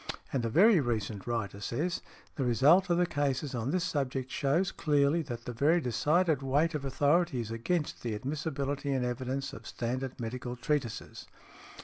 And a very recent writer says, "The result of the cases on this subject shews clearly that the very decided weight of authority is against the admissibility in evidence of standard medical treatises."